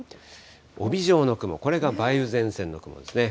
帯状の雲、これが梅雨前線の雲ですね。